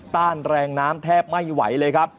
ต้านแรงน้ำแทบไม่ไหวเลยครับ